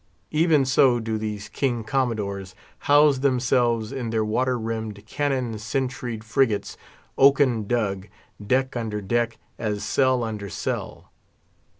even so do these King Commodores house themselves in their water rimmed, cannon sentried frigates, oaken dug, deck under deck, as cell under cell.